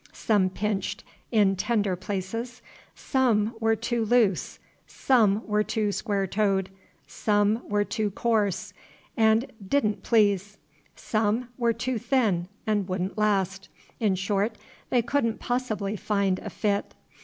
Some pinched in tender places; some were too loose; some were too square toed; some were too coarse, and did n't please; some were too thin, and would n't last; in short, they could n't possibly find a fit.